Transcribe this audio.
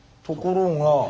ところが。